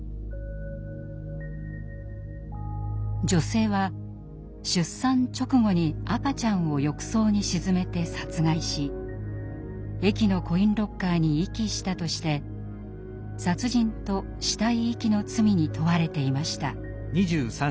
女性は出産直後に赤ちゃんを浴槽に沈めて殺害し駅のコインロッカーに遺棄したとして殺人と死体遺棄の罪に問われていました。